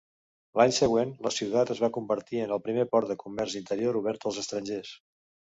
L'any següent, la ciutat es va convertir en el primer port de comerç interior obert als estrangers.